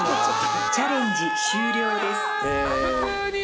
・チャレンジ終了です